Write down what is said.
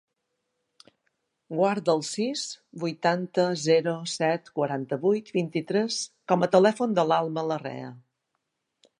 Guarda el sis, vuitanta, zero, set, quaranta-vuit, vint-i-tres com a telèfon de l'Alma Larrea.